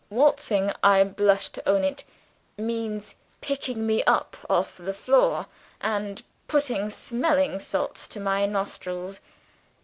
Waltzing, I blush to own it, means picking me up off the floor, and putting smelling salts to my nostrils.